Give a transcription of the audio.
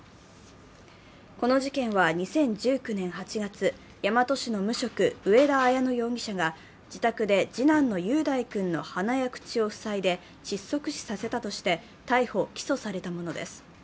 この事件は２０１９年８月、大和市の無職上田綾乃容疑者が自宅で次男の雄大君の鼻や口を塞いで窒息死させたとして逮捕・起訴されたものです。